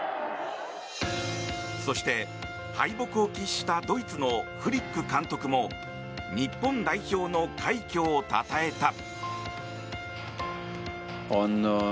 そして、敗北を喫したドイツのフリック監督も日本代表の快挙をたたえた。